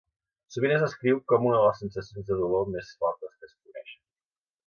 Sovint es descriu com una de les sensacions de dolor més fortes que es coneixen.